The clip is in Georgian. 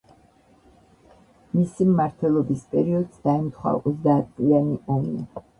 მისი მმართველობის პერიოდს დაემთხვა ოცდაათწლიანი ომი.